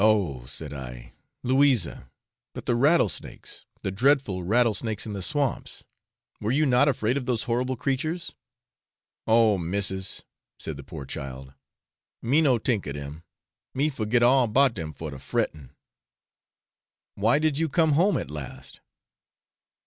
'Oh,' said I, 'Louisa; but the rattlesnakes, the dreadful rattlesnakes in the swamps; were you not afraid of those horrible creatures?' 'Oh, missis,' said the poor child, 'me no tink of dem, me forget all 'bout dem for de fretting.' 'Why did you come home at last?'